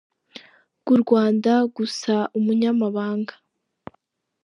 bw’u Rwanda gusa Umunyamabanga.